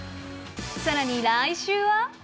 さらに来週は。